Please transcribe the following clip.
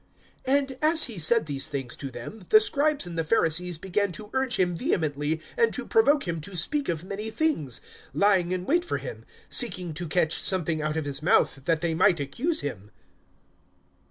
(53)And as he said these things to them, the scribes and the Pharisees began to urge him vehemently, and to provoke him to speak of many things[11:53]; (54)lying in wait for him, seeking to catch something out of his mouth, that they might accuse him.